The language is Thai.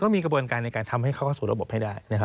มีกระบวนการในการทำให้เข้าสู่ระบบให้ได้